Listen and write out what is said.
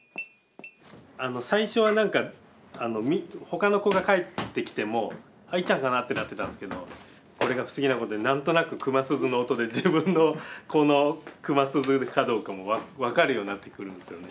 最初は何かほかの子が帰ってきても「いっちゃんかな？」ってなってたんですけどこれが不思議なことに何となく熊鈴の音で自分の子の熊鈴かどうかも分かるようになってくるんですよね。